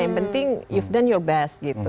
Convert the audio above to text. yang penting you've done your best gitu ya